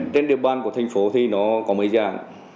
trên địa bàn của thành phố thì nó có mấy dạng